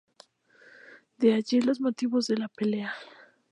De allí los motivos de la pelea.